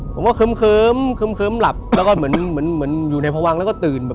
ผมก็เคิ้มเคิ้มหลับแล้วก็เหมือนอยู่ในพระวังแล้วก็ตื่น